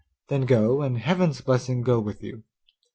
Then go, and Heaven's blessing go with you.